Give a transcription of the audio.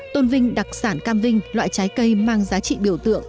tôn vinh đặc sản cam vinh loại trái cây mang giá trị biểu tượng